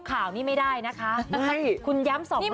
คุณข่าวนี่ไม่ได้นะคะคุณย้ำส่อมโลกนะคะ